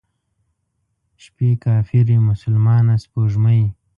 شپې کافرې، مسلمانه سپوږمۍ،